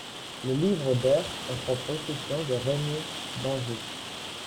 Le livre d'heures entre en possession de René d'Anjou.